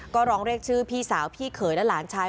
ก็ร้องเรียกชื่อพี่สาวพี่เขยและหลานชาย